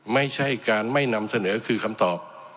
ไม่ใช่การไม่นำเสนอคือคำตอบ